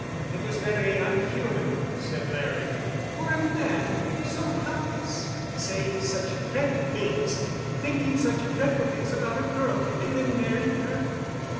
It was very un human," said Larry. "Or a man so helpless, saying such dreadful things—thinking such dreadful things about a girl and then marrying her?"